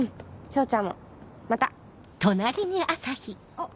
あっ。